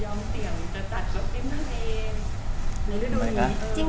ยอมเสี่ยงจะจัดกระติ้นทะเล